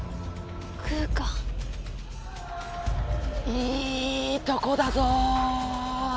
いいとこだぞ。